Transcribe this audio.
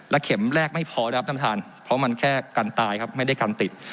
เข็มแรกไม่พอครับท่านท่านเพราะมันแค่กันตายครับไม่ได้กันติด